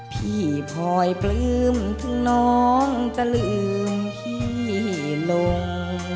พี่พลอยปลื้มถึงน้องจะลืมพี่ลง